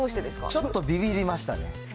ちょっとびびりましたね。